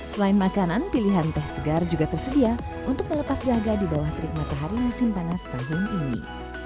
selain makanan pilihan teh segar juga tersedia untuk melepas jaga di bawah terik matahari musim panas tahun ini